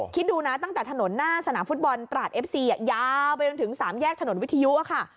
คิดดูนะตั้งแต่ถนนหน้าสนามฟุตบอลตราดเอฟซียาวไปจนถึง๓แยกถนนวิทยุค่ะ